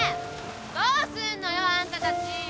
どうすんのよあんたたち。